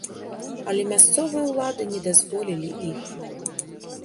Але мясцовыя ўлады не дазволілі іх.